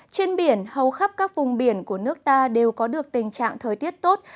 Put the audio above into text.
trên biển hầu khắp các vùng biển của nước ta đều có được tình trạng thời tiết tốt